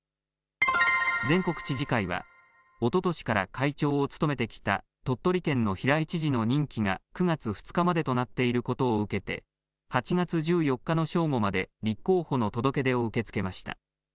全国知事会はおととしから会長を務めてきた、鳥取県の平井知事の任期が９月２日までとなっていることを受けて、８月１４日の正午まで、立候補の届け出を受け付けました。